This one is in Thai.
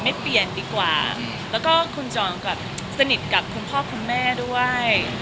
แล้วก็คุณจอห์นแบบสนิทกับคุณพ่อคุณแม่ด้วย